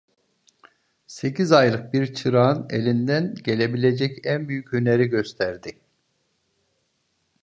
Sekiz aylık bir çırağın elinden gelebilecek en büyük hüneri gösterdi.